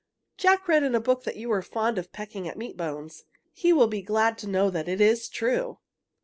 "Jack read in a book that you were fond of pecking at meat bones. He will be glad to know that it is true!"